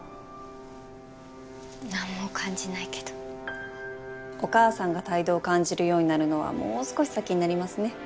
何も感じないけどお母さんが胎動を感じるようになるのはもう少し先になりますね